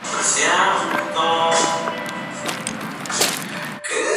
Antiguamente se llamaba barrio Playa Blanca.